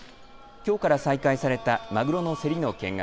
きょうから再開されたマグロの競りの見学。